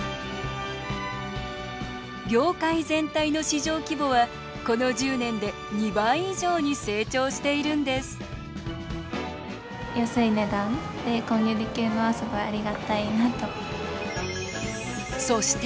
業界全体の市場規模はこの１０年で２倍以上に成長しているんですそして